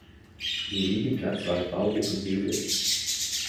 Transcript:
Ihr Liegeplatz war der Bauhof in Wedel.